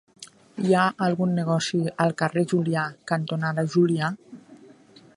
Hi ha algun negoci al carrer Julià cantonada Julià?